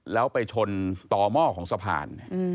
แล้วไปชนต่อหม้อของสะพาน